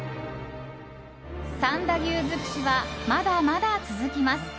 三田牛尽くしはまだまだ続きます！